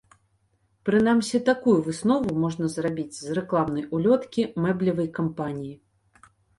Прынамсі, такую выснову можна зрабіць з рэкламнай улёткі мэблевай кампаніі.